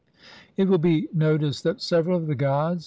It will be noticed that several of the gods, e.